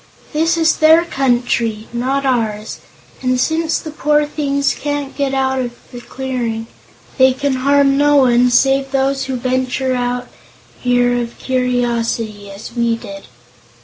This is their country, not ours, and since the poor things can't get out of the clearing, they can harm no one save those who venture here out of curiosity, as we did."